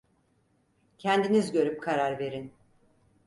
Kendiniz görüp karar verin!